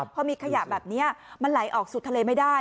พอมีขยะแบบนี้มันไหลออกสู่ทะเลไม่ได้